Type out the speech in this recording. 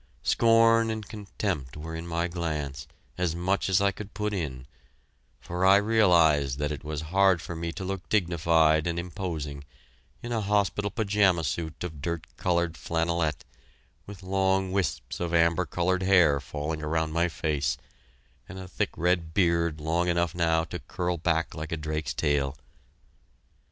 Scorn and contempt were in my glance, as much as I could put in; for I realized that it was hard for me to look dignified and imposing, in a hospital pajama suit of dirt colored flannelette, with long wisps of amber colored hair falling around my face, and a thick red beard long enough now to curl back like a drake's tail.